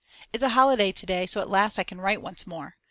It's a holiday to day so at last I can write once more.